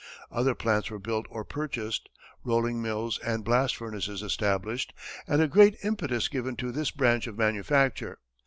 Other plants were built or purchased, rolling mills and blast furnaces established, and a great impetus given to this branch of manufacture.